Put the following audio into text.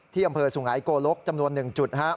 อำเภอสุหายโกลกจำนวน๑จุดครับ